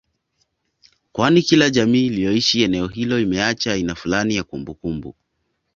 kwani kila jamii iliyoishi eneo hilo imeacha aina fulani ya kumbukumbu